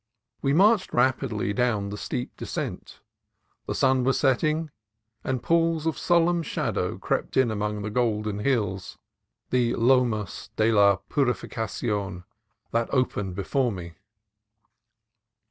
We marched rapidly down the steep de scent. The sun was setting, and pools of solemn shadow crept in among the golden hills, the Lomas de la Purification, that opened before me.